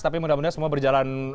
tapi mudah mudahan semua berjalan